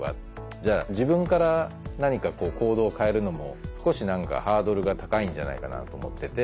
じゃあ自分から何か行動を変えるのも少し何かハードルが高いんじゃないかなと思ってて。